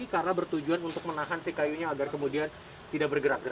karena bertujuan untuk menahan si kayunya agar kemudian tidak bergerak gerak